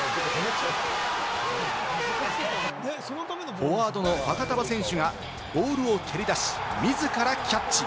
フォワードのファカタヴァ選手がボールを蹴り出し、自らキャッチ。